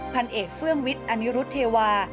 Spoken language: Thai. พันเอกเฟื่องวิทย์อนิรุธเทวา